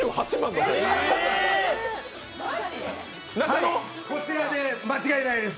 はい、こちらで間違いないです。